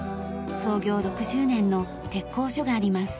創業６０年の鉄工所があります。